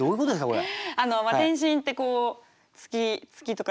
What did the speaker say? これ。